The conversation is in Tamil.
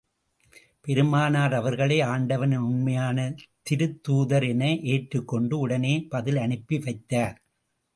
பெருமானார் அவர்களை ஆண்டவனின் உண்மையான திருத்தூதர் என ஏற்றுக் கொண்டு உடனே பதில் அனுப்பி வைத்தார்.